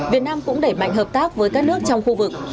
việt nam cũng đẩy mạnh hợp tác với các nước trong khu vực